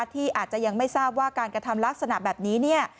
ที่อาจจะยังไม่ทราบว่าการกระทำลักษณะแบบนี้เนี่ย